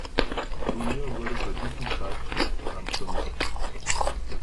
Julia wurde seit diesem Zeitpunkt an vermisst.